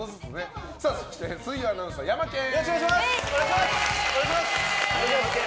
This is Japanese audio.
そして、水曜アナウンサーヤマケン！